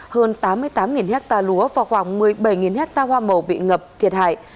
hơn tám mươi tám hecta lúa và khoảng một mươi bảy hecta hoa màu bị ngập thiệt hại